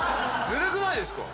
ずるくないですか？